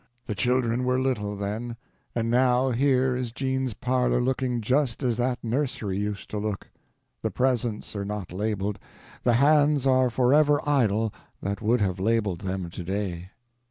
The children were little then. And now here is Jean's parlor looking just as that nursery used to look. The presents are not labeled—the hands are forever idle that would have labeled them today.